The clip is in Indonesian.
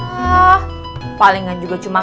ah paling nggak juga cuma